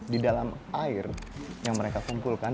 di dalam air yang mereka kumpulkan